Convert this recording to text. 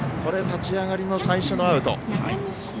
立ち上がりの最初のアウト。